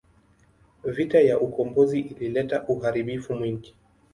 Vita ya ukombozi ilileta uharibifu mwingi.